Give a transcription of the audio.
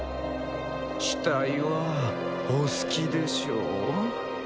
死体はお好きでしょう？